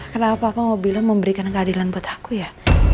kenapa aku mau bilang memberikan keadilan buat aku ya